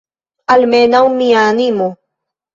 Almenaŭ mia animo!